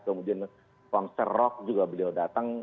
kemudian konser rock juga beliau datang